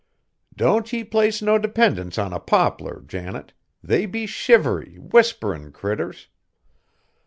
Don't ye place no dependence on a poplar, Janet, they be shivery, whisperin' critters!